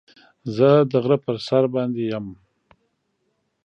زه د غره په سر باندې يم.